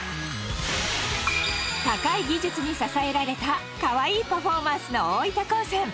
高い技術に支えられたかわいいパフォーマンスの大分高専。